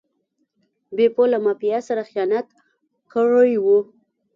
بیپو له مافیا سره خیانت کړی و.